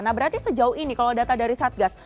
nah berarti sejauh ini kalau data dari satgas